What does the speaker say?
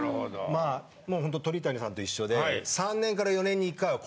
まあもうホント鳥谷さんと一緒で。